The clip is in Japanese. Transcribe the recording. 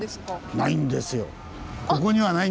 ないんですよ。